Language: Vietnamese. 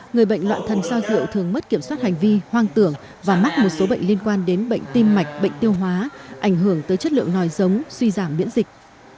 người bệnh loạn thần do rượu thường mất kiểm soát hành vi hoang tưởng và mắc một số bệnh liên quan đến bệnh tim mạch bệnh tiêu hóa ảnh hưởng tới chất lượng nòi giống suy giảm biễn dịch